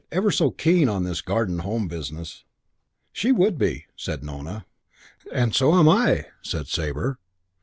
She's ever so keen on this Garden Home business." "She would be," said Nona. "And so am I!" said Sabre.